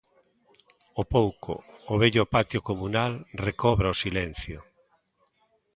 Ó pouco, o vello patio comunal recobra o silencio.